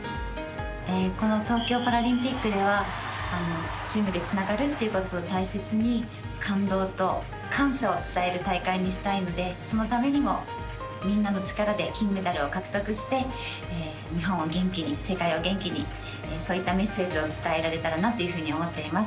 この東京パラリンピックではチームでつながるということを大切に感動と感謝を伝える大会にしたいのでそのためにもみんなの力で金メダルを獲得して日本を元気に世界を元気にそういったメッセージを伝えられたらなと思っています。